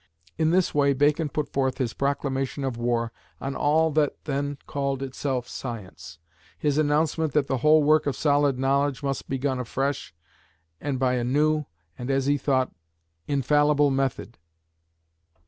In this way Bacon put forth his proclamation of war on all that then called itself science; his announcement that the whole work of solid knowledge must be begun afresh, and by a new, and, as he thought, infallible method.